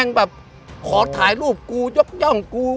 แบบขอถ่ายรูปกูยกย่องกู